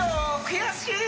悔しい！